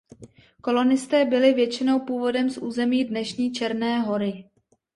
Kolonisté byli většinou původem z území dnešní Černé Hory.